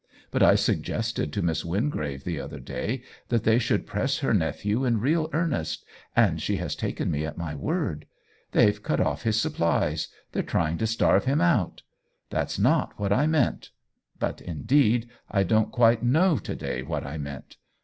But I suggested to Miss Wingrave the other day that they should press her nephew in real earnest, and she has taken me at my word. They've cut off his supplies — they're trying to starve him out. That's not what I meant — but, indeed, I don't quite know to day what I meant.